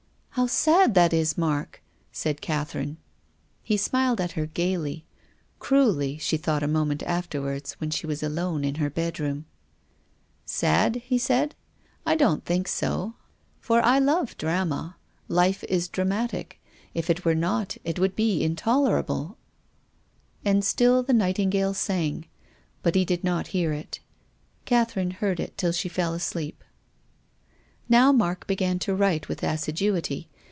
" How sad that is, Mark !" said Catherine. He smiled at her gaily — cruelly, she thought a moment afterwards when she was alone in her bedroom. " Sad ?" he said. " I don't think so, for I love "WILLIAM FOSTER." 139 drama. Life is dramatic. If it were not it would be intolerable." And still the nightingale sang. But he did not hear it. Catherine heard it till she fell asleep. Now Mark began to write with assiduity.